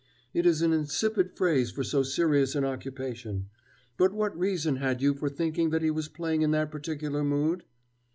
"It is an insipid phrase for so serious an occupation. But what reason had you for thinking that he was playing in that particular mood?"